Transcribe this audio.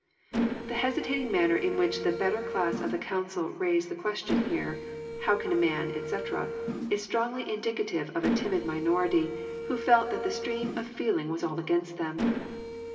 The hesitating manner in which the better class of the coancil raise the question here, How can a man," etc., is strongly indicative of a timid minority, who felt that the stream of feel ing was all against them.